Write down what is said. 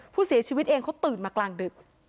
ผู้เสียชีวิตเองเขาตื่นมากลางดึก